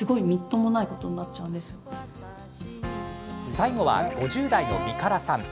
最後は、５０代の、みからさん。